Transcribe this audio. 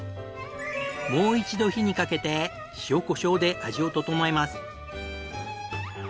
もう一度火にかけて塩コショウで味を調えます。